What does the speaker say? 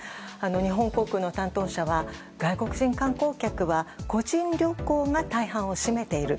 日本航空の担当者は外国人観光客は個人旅行が大半を占めている。